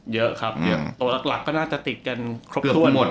เยอะครับตัวหลักก็น่าจะติดกันครบถ้วนหมด